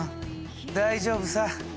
大丈夫さ！